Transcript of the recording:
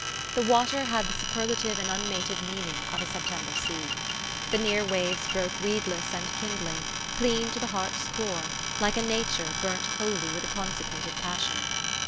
The water had the superlative and unmated meaning of a Sep tember sea. The near waves broke weedless and kindling, clean to the heart's core, like a nature burnt holy with a consecrated passion.